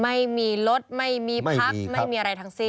ไม่มีรถไม่มีพักไม่มีอะไรทั้งสิ้น